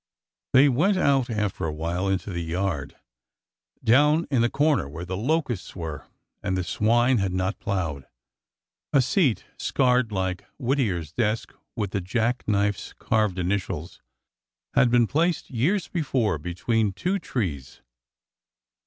They went out after a while into the yard, down in the corner where the locusts were and the swine had not plowed. A seat, scarred like Whittier's desk with the jackknife's carved initials," had been placed years be fore between two trees.